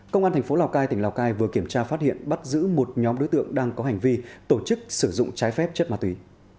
công an thành phố lào cai tỉnh lào cai vừa kiểm tra phát hiện bắt giữ một nhóm đối tượng đang có hành vi tổ chức sử dụng trái phép chất ma túy